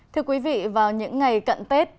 thưa quý vị vào những ngày cận tết